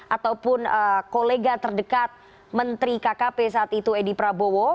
ataupun kolega terdekat menteri kkp saat itu edi prabowo